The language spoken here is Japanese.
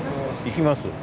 行きます？